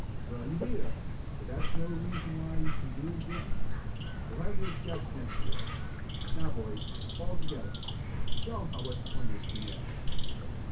Well, you beat us, but that's no reason why you can do it again. We'll have your scalps next year. Now, boys, altogether! Show 'em how West Pointers can yell."